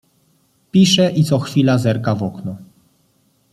Pisze i co chwila zerka w okno.